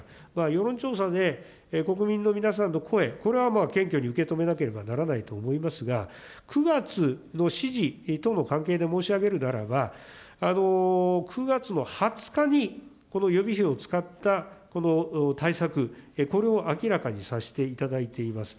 世論調査で、国民の皆さんの声、これは謙虚に受け止めなければならないと思いますが、９月の指示との関係で申し上げるならば、９月の２０日にこの予備費を使ったこの対策、これを明らかにさせていただいています。